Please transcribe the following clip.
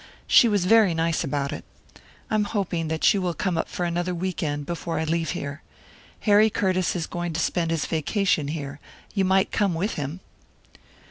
She was very nice about it. I am hoping that you will come up for another week end before I leave here. Harry Curtiss is going to spend his vacation here; you might come with him."